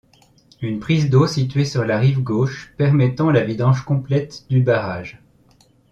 Une prise d'eau située sur la rive gauche permettant la vidange complète du barrage.